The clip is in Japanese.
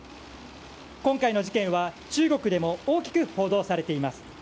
今回の事件は中国でも大きく報道されています。